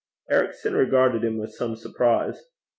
Ericson regarded him with some surprise.